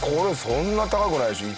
そんな高くないでしょ。